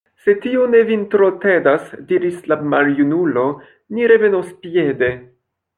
Se tio ne vin tro tedas, diris la maljunulo, ni revenos piede.